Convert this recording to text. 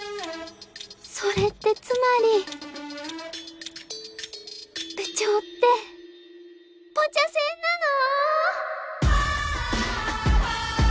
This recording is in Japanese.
それってつまり部長ってぽちゃ専なの！？